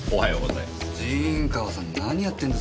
陣川さん何やってんですか？